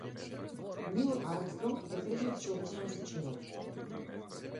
Нил Армстронг е првиот човек на месечината.